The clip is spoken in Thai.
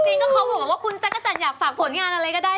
จริงก็เขาบอกว่าคุณจักรจันทร์อยากฝากผลงานอะไรก็ได้